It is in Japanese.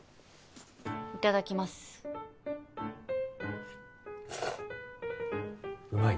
いただきますうまい？